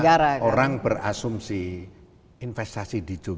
ya sehingga orang berasumsi investasi di jogja itu